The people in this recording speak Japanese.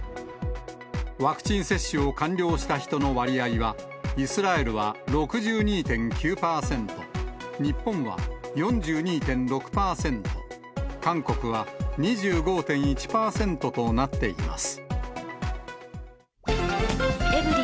ワクチン接種を完了した人の割合は、イスラエルは６２．９％、日本は４２．６％、韓国は２５．１％となっています。